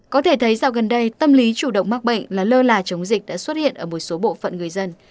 có thể thấy sau gần đây tâm lý chủ động mắc bệnh là lơ là chống dịch đã xuất hiện ở một số bộ phận người dân